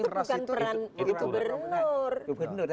itu bukan peran gubernur